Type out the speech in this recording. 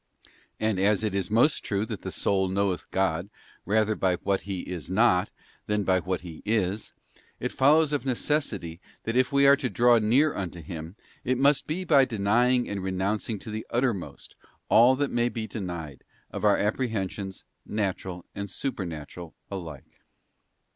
And as it is most true that the soul knoweth God, rather by what He is not, than by what He is; it follows of necessity that if we are to draw near unto Him, it must be by denying and re nouncing to the uttermost, all that may be denied, of our apprehensions, natural and supernatural alike.